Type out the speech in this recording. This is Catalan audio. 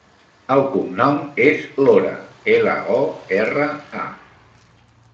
El cognom és Lora: ela, o, erra, a.